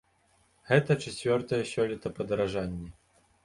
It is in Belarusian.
Гэта чацвёртае сёлета падаражанне.